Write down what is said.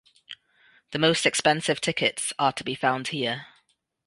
The most expensive tickets are to be found here.